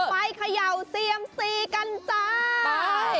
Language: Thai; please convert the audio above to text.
เขย่าเซียมซีกันจ้า